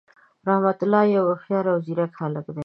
رحمت الله یو هوښیار او ځیرک هللک دی.